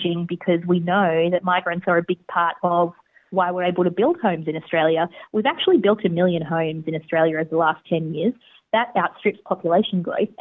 ini menghentikan peran yang diperlukan oleh pemerintah dalam menciptakan krisis ini